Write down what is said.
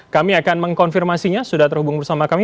kami akan mengkonfirmasinya sudah terhubung bersama kami